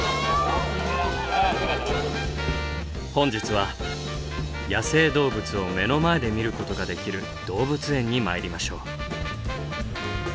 本日は野生動物を目の前で見ることができる動物園に参りましょう。